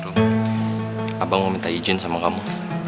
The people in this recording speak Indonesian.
abang mau minta izin sama kamu